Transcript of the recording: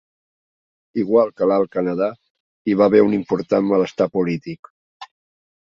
Igual que a l'Alt Canadà, hi va haver un important malestar polític.